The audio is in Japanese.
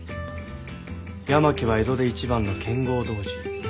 八巻は江戸で一番の剣豪同心。